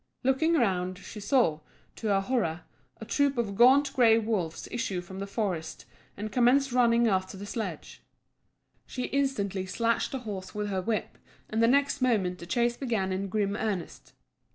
Looking round, she saw, to her horror, a troop of gaunt grey wolves issue from the forest and commence running after the sledge. She instantly slashed the horse with her whip, and the next moment the chase began in grim earnest.